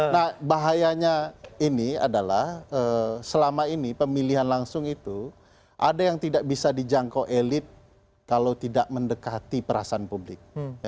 nah bahayanya ini adalah selama ini pemilihan langsung itu ada yang tidak bisa dijangkau elit kalau tidak mendekati perasaan publik